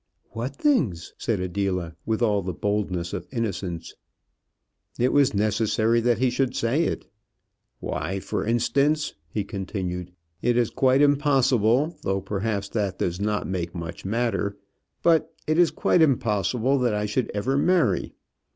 "What things?" said Adela, with all the boldness of innocence. It was necessary that he should say it. "Why, for instance," he continued, "it is quite impossible, though perhaps that does not make much matter; but it is quite impossible that I should ever marry."